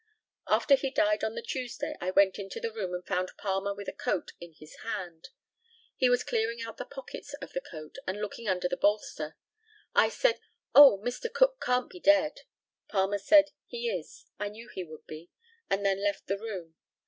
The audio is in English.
After he died on the Tuesday I went into the room and found Palmer with a coat in his hand. He was clearing out the pockets of the coat and looking under the bolster. I said, "Oh! Mr. Cook can't be dead!" Palmer said, "He is. I knew he would be," and then left the room.